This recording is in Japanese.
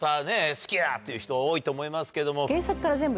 好きだっていう人多いと思いますけども。